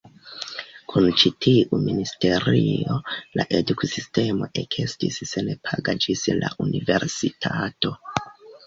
Kun ĉi tiu ministerio, la eduksistemo ekestis senpaga ĝis la Universitato.